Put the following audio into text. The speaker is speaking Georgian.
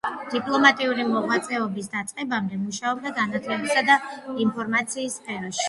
დიპლომატიური მოღვაწეობის დაწყებამდე მუშაობდა განათლებისა და ინფორმაციის სფეროში.